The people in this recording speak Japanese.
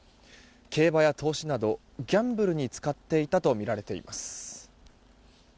競馬や投資などギャンブルに使っていたとみられています。